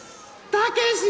たけし？